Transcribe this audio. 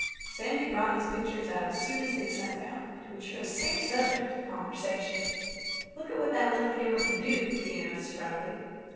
Sandy brought his pictures out as soon as they had sat down, to ensure a safe subject of conversation. "Look what that little camera can do," he announced proudly.